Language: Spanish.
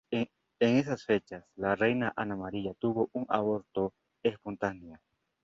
Los veinte primeros clasificados sumarán puntos.